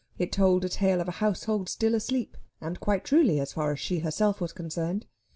It told a tale of a household still asleep, and quite truly as far as she herself was concerned.